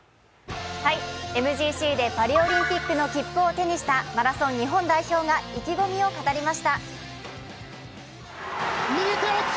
ＭＧＣでパリオリンピックへの切符を手にした、マラソン日本代表が意気込みを語りました。